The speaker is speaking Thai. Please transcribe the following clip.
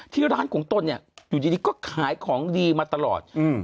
ที่ร้านของตนเนี่ยอยู่ดีก็ขายของดีมาตลอด